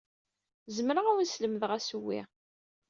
Zemreɣ ad awen-slemdeɣ asewwi.